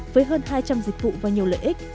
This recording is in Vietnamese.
với hơn hai trăm linh dịch vụ và nhiều lợi ích